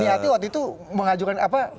niatnya waktu itu mengajukan apa